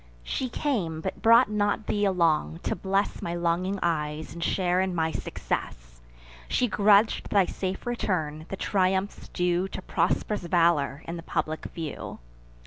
She came; but brought not thee along, to bless My longing eyes, and share in my success: She grudg'd thy safe return, the triumphs due To prosp'rous valour, in the public view.